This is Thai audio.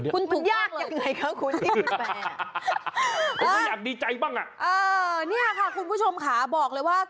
คุณแปรถูกเลยเนี่ย